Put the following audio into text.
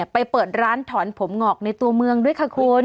เปิดร้านถอนผมงอกในตัวเมืองด้วยค่ะคุณ